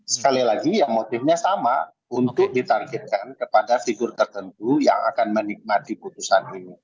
sekali lagi yang motifnya sama untuk ditargetkan kepada figur tertentu yang akan menikmati putusan ini